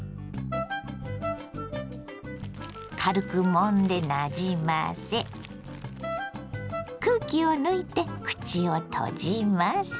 軽くもんでなじませ空気を抜いて口を閉じます。